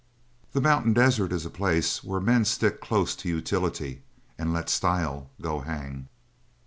The mountain desert is a place where men stick close to utility and let style go hang.